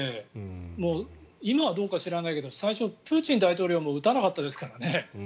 今はどうか知らないけど最初はプーチン大統領も打たなかったですからね。